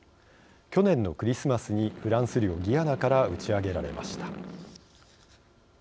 去年のクリスマスにフランス領ギアナから打ち上げられました。